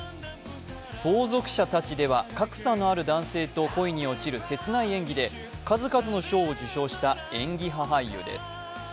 「相続者たち」では格差のある男性との切ない恋愛で数々の賞を受賞した演技派俳優です。